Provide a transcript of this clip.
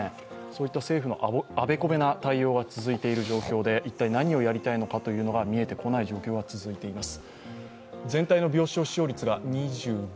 そういった政府のあべこべな対応が続いている状況で一体何をやりたいのか見えてこない状況が続いています。